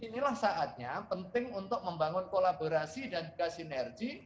inilah saatnya penting untuk membangun kolaborasi dan juga sinergi